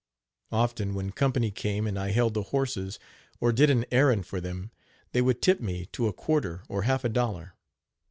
Often when company came and I held the horses, or did an errand for them, they would tip me to a quarter or half a dollar.